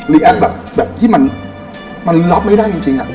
แอดแบบที่มันรับไม่ได้จริงอะ